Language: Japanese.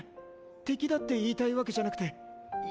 敵だって言いたいわけじゃなくていい刺激を。